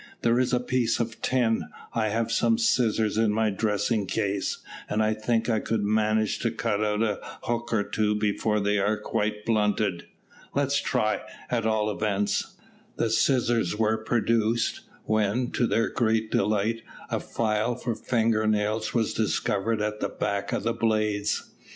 "Here's a piece of tin. I have some scissors in my dressing case, and I think I could manage to cut out a hook or two before they are quite blunted. Let's try, at all events." The scissors were produced, when, to their great delight, a file for finger nails was discovered at the back of the blades.